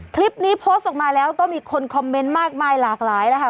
คลิปนี้โพสต์ออกมาแล้วก็มีคนคอมเมนต์มากมายหลากหลายแล้วค่ะ